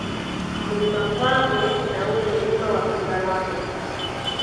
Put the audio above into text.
Mlima Pagwe na ule Mlima wa Pingalame